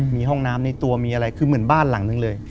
มีห้องน้ำในตัวมีอะไรคือเหมือนบ้านหลังนึงเลย